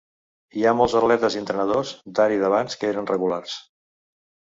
Hi ha molts atletes i entrenadors, d'ara i d'abans, que eren regulars.